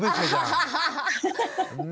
アハハハハ！